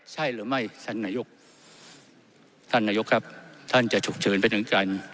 ใช่หรือไม่ท่านนายกท่านนายกครับท่านจะฉุกเฉินไปถึงการ